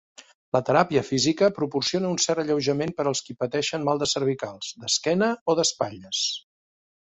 La teràpia física proporciona un cert alleujament per als qui pateixen mal de cervicals, d'esquena o d'espatlles.